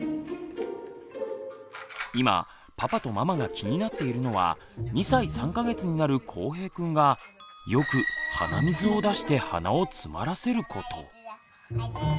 今パパとママが気になっているのは２歳３か月になるこうへいくんがよく鼻水を出して鼻をつまらせること。